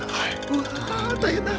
うわ大変だ。